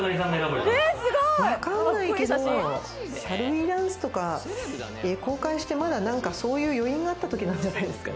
わかんないけど『Ｓｈａｌｌｗｅダンス？』とか公開して、まだそういう余韻があったときなんじゃないですか？